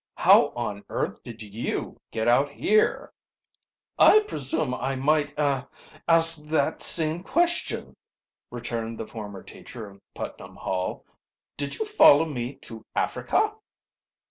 "How on earth did you get out here?" "I presume I might er ask that same question," returned the former teacher of Putnam Hall. "Did you follow me to Africa?"